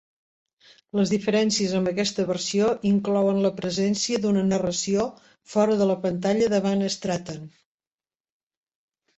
Les diferències amb aquesta versió inclouen la presència d'una narració fora de la pantalla de Van Stratten.